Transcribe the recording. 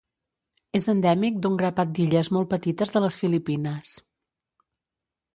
És endèmic d'un grapat d'illes molt petites de les Filipines.